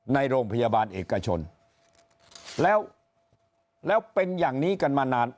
ในโรงพยาบาลเอกชนแล้วแล้วเป็นอย่างนี้กันมานาน